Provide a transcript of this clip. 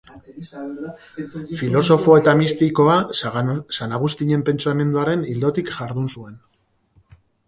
Filosofo eta mistikoa, San Agustinen pentsamenduaren ildotik jardun zuen.